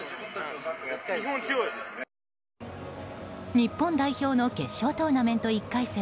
日本代表の決勝トーナメント１回戦